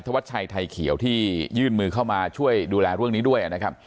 วัดชัยไทยเขียวที่ยื่นมือเข้ามาช่วยดูแลเรื่องนี้ด้วยนะครับ